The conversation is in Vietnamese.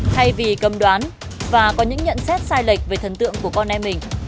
thay vì cấm đoán và có những nhận xét sai lệch về thần tượng của con em mình